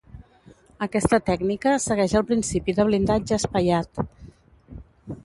Aquesta tècnica segueix el principi de blindatge espaiat.